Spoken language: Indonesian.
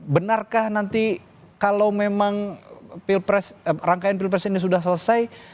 benarkah nanti kalau memang rangkaian pilpres ini sudah selesai